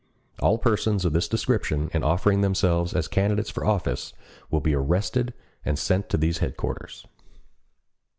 All persons of this description in offering themselves as candidates for office will be arrested and sent to these Headquarters.